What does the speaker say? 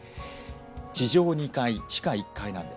地上２階地下１階なんですね。